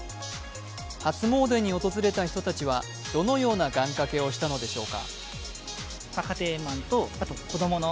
初詣に訪れた人たちはどのような願掛けをしたのでしょうか。